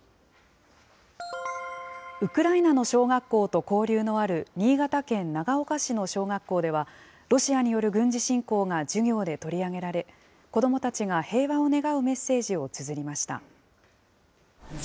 ウクライナの小学校と交流のある新潟県長岡市の小学校では、ロシアによる軍事侵攻が授業で取り上げられ、子どもたちが平和を願うメッセージをつづりました。